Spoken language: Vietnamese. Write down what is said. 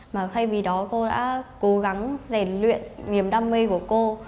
mà thay vì đó cô đã cố gắng rèn luyện niềm đam mê của cô